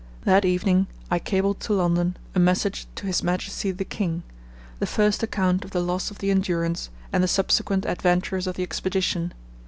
That evening I cabled to London a message to His Majesty the King, the first account of the loss of the Endurance and the subsequent adventures of the Expedition.